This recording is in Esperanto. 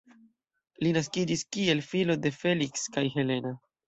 Li naskiĝis kiel filo de Feliks kaj Helena.